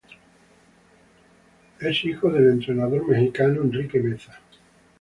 Es hijo del entrenador mexicano Enrique Meza.